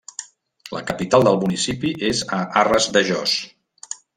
La capital del municipi és a Arres de Jos.